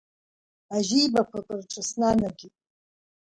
Ажьибақәак рҿы снанагеит.